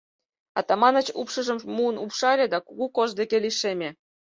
— Атаманыч упшыжым муын упшале да кугу кож деке лишеме.